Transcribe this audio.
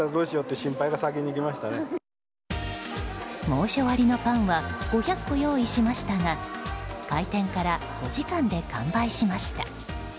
猛暑割のパンは５００個用意しましたが開店から５時間で完売しました。